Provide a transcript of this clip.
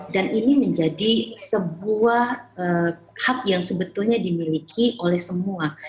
ini menjadi sebuah hak yang sebetulnya dimiliki oleh semua